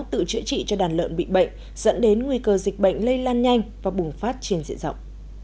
tự chữa trị cho đàn lợn bị bệnh dẫn đến nguy cơ dịch bệnh lây lan nhanh và bùng phát trên diện rộng